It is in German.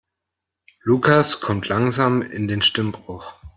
Lukas kommt langsam in den Stimmbruch.